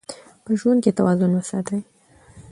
په ژوند کې توازن وساتئ.